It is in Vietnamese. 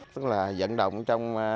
tức là dẫn động trong